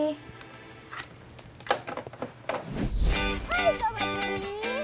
hai sobat kuri